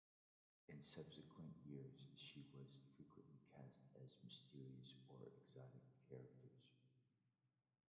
In subsequent years, she was frequently cast as mysterious or exotic characters.